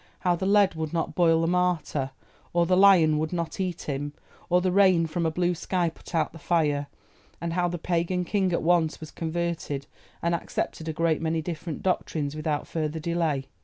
—how the lead would not boil the martyr, or the lion would not eat him, or the rain from a blue sky put out the fire, and how the pagan king at once was converted and accepted a great many difficult doctrines without further delay.